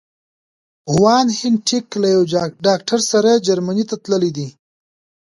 وان هینټیګ له یو ډاکټر سره جرمني ته تللي دي.